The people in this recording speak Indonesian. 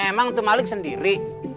emang itu maling sendiri